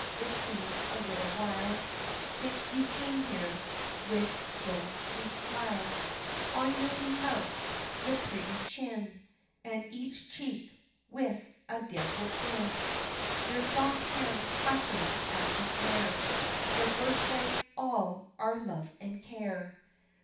it seems a little while Since you came here with slow sweet smile On your wee mouth, your pretty chin, And each cheek with a dimple in, Your soft hands clutching at the air, Your birthright all our love and care.